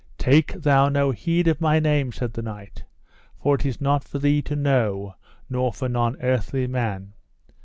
Take thou no heed of my name, said the knight, for it is not for thee to know nor for none earthly man.